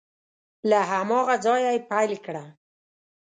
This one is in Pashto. له هماغه ځایه یې پیل کړه